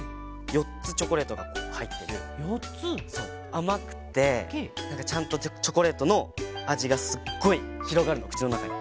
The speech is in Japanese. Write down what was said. あまくてなんかちゃんとチョコレートのあじがすっごいひろがるのくちのなかに。